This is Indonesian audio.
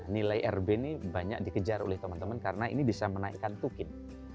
nilai rb ini banyak dikejar oleh teman teman karena ini bisa menaikkan tukin